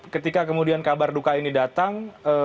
ketika kemudian kabar duka ini datang